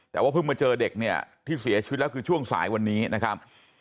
แต่ว่าเพิ่งมาเจอเด็กเนี่ยที่เสียชีวิตแล้วคือช่วงสายวันนี้นะครับ